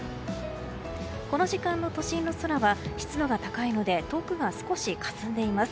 この時間の都心の空は湿度が高いので遠くが少しかすんでいます。